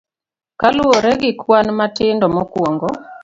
Kaluwore gi kwan matindo mokwongo.